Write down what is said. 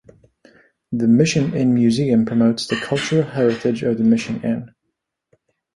The Mission Inn Museum promotes the cultural heritage of the Mission Inn.